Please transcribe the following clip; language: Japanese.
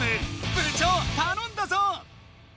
部長たのんだぞ！